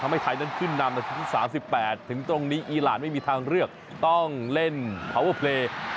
ทำให้ไทยนั้นขึ้นนำ๓๘ถึงตรงนี้อิราณไม่มีทางเลือกต้องเล่นพาวเวอร์เพลย์